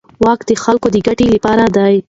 واک د خلکو د ګټو لپاره دی.